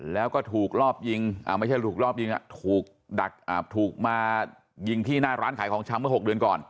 แล้วก็ถูกรอบยิงไม่ใช่ถูกรอบยิงถูกดักถูกมายิงที่หน้าร้านขายของชำเมื่อ๖เดือนก่อน